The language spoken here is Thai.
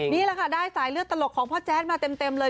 นี่แหละค่ะได้สายเลือดตลกของพ่อแจ๊ดมาเต็มเลย